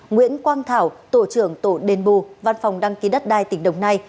nguyễn quang thảo tổ trưởng tổ đền bù văn phòng đăng ký đất đai tỉnh đồng nai